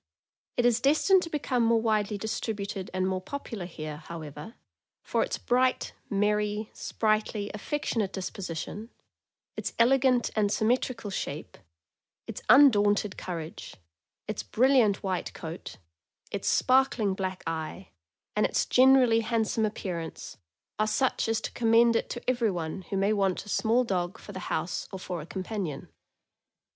It is destined to become more widely distributed and more popular here, however, for its bright, merry, sprightly, affectionate disposition, its elegant and symmetrical shape, its undaunted courage, its brilliant white coat, its spark ling black eye, and its generally handsome appearance are such as to commend it to everyone who may want a small dog for the house or for a companion.